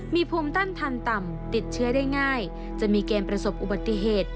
มีภูมิต้านทันต่ำติดเชื้อได้ง่ายจะมีเกณฑ์ประสบอุบัติเหตุ